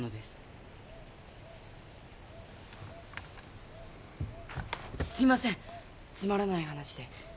すいませんつまらない話で。